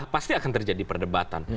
pasti akan terjadi perdebatan